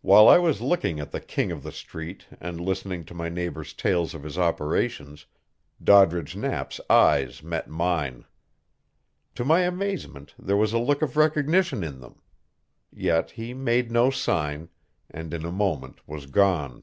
While I was looking at the King of the Street and listening to my neighbor's tales of his operations, Doddridge Knapp's eyes met mine. To my amazement there was a look of recognition in them. Yet he made no sign, and in a moment was gone.